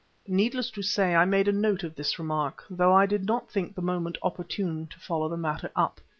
Needless to say, I made a note of this remark, though I did not think the moment opportune to follow the matter up.